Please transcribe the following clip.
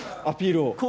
アピールを。